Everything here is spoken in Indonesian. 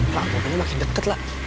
rambutnya makin deket la